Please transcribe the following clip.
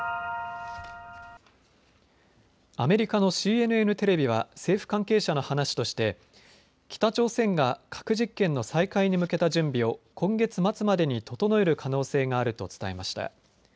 アメリカのＣＮＮテレビは政府関係者の話として北朝鮮が核実験の再開に向けた準備を今月末までに整える可能性があると伝えました。